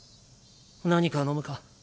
何か飲むか？